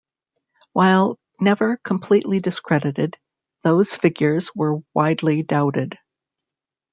While never completely discredited, those figures were widely doubted.